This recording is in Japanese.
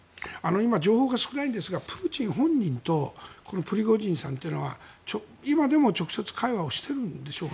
今、情報が少ないんですがプーチン本人とこのプリゴジンさんというのは今でも直接会話をしているんですか。